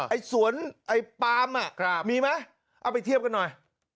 ไอ้สวนไอ้ปาล์มมีไหมเอาไปเทียบกันหน่อย